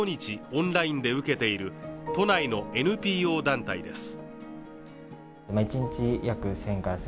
オンラインで受けている都内のＮＰＯ団体です。